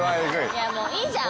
いやもういいじゃん。